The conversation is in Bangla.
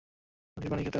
নদীর পানিই খেতে হবে।